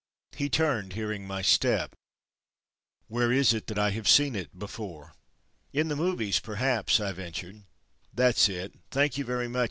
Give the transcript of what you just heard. He turned hearing my step, "Where is it I have seen it—before?" "In the movies perhaps"—I ventured. "That's it! Thank you very much!"